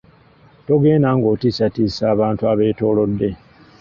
Togenda nga otiisatiisa abantu abetolodde .